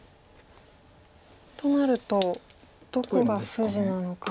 となるとどこが筋なのか。